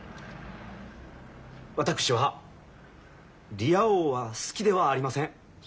私は「リア王」は好きではありません。